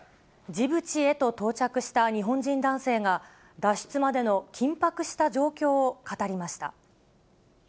ジブチへと到着した日本人男性が、脱出までの緊迫した状況を語りました。